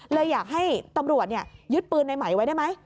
เลยอยากให้ตำรวจเนี้ยยึดปืนในไหม้ไว้ด้วยมั้ย